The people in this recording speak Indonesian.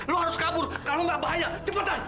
lo harus kabur kalau gak bahaya cepetan